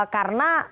karena tidak usah